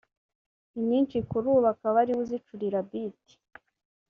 inyinshi kuri ubu akaba ariwe uzicurira ‘beat’